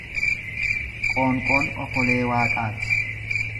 Qoonqoon okolee Waaqaati.